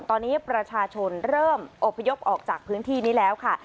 ตอนนี้ประชาชนเริ่มอบพยพออกจากพื้นที่นี้แล้วค่ะ